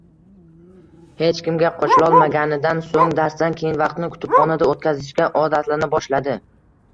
Hech kimga qo`shilolmaganidan so`ng darsdan keyin vaqtini kutubxonada o`tkazishga odatlana boshladi